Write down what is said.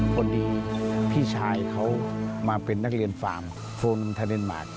พอดีพี่ชายเขามาเป็นนักเรียนฟาร์มโฟนทาเดนมาร์ค